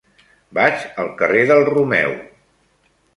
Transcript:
Vaig al carrer del Romeu.